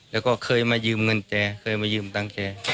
แล้วเคยมายืมเงินแจเคยมายืมตั้งแจ